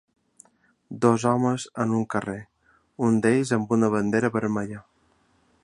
Dos homes en un carrer, un d'ells amb una bandera vermella.